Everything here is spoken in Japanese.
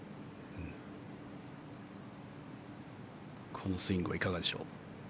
このスイングはいかがでしょう。